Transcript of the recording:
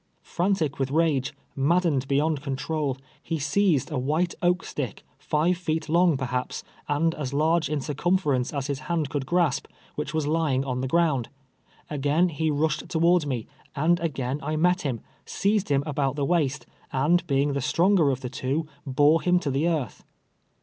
Frantic with rage, maddened beyond control, he seized a white oak stick, five feet long, perhaps, and as large in circumference as his hand conld grasp, which was lying on the ground. Again he rushed towards me, and again I met him, seized him about the waist, and being the stronger of the two, bore him to the earth.